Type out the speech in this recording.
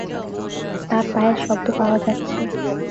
তার পায়ের শব্দ পাওয়া যাচ্ছে।